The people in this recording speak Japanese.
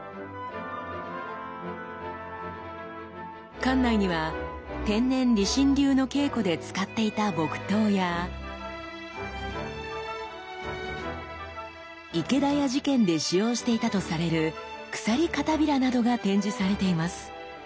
館内には天然理心流の稽古で使っていた木刀や池田屋事件で使用していたとされる鎖帷子などが展示されています。